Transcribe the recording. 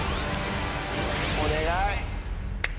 お願い！